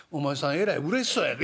えらいうれしそうやで」。